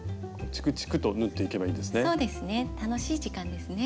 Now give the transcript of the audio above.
チクチクと縫っていけばいいんですね。